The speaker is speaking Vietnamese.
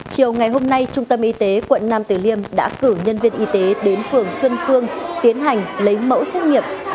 chiều ngày hôm nay trung tâm y tế quận năm từ liêm đã cử nhân viên y tế đến phường xuân phương tiến hành lấy mẫu xét nghiệp